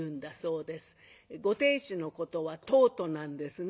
ご亭主のことは「とうと」なんですね。